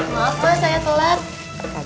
maaf mak saya telat